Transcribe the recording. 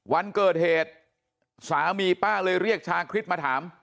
วันเกิดเหตุสามีป้าเลยเรียกชาคริสต์มาถาม